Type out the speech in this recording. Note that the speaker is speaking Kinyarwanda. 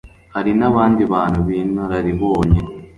hari n'abandi bantu b'inararibonye